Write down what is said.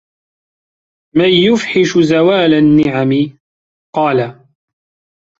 مَنْ يُفْحِشُ زَوَالَ النِّعَمِ ؟ قَالَ